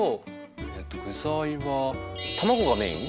えっと具材は卵がメイン？